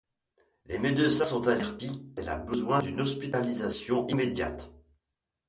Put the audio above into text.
Les médecins sont avertis qu'elle a besoin d'une hospitalisation immédiate.